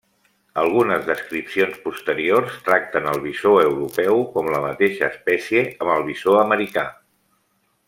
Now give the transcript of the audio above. Algunes descripcions posteriors tracten el bisó europeu com la mateixa espècie amb el bisó americà.